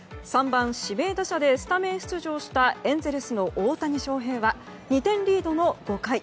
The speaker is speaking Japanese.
３番指名打者でスタメン出場したエンゼルスの大谷翔平は２点リードの５回。